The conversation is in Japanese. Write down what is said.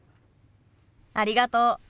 ありがとう。